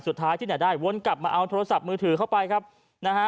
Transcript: สุดท้ายที่ไหนได้วนกลับมาเอาโทรศัพท์มือถือเข้าไปครับนะฮะ